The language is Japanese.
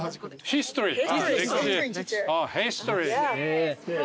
ヒストリー。